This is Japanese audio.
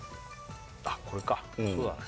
あこれかそうだね